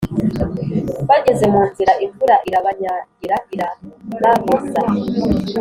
bageze mu nzira imvura irabanyagira irababoza.